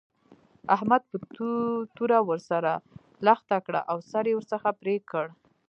احمد په توره ور سره لښته کړه او سر يې ورڅخه پرې کړ.